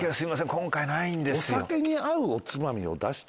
今回ないんですよ。